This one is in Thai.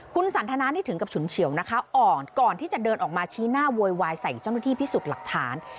คุณสันทนานี่ถึงกับฉุนเฉียวนะคะอ่อนก่อนที่จะเดินออกมาชี้หน้าโวยวายใส่เจ้าหน้าที่พิสูจน์หลักฐาน